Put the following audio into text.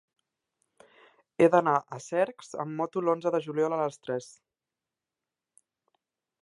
He d'anar a Cercs amb moto l'onze de juliol a les tres.